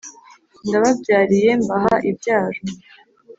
ndababyariye mbaha ibyaro.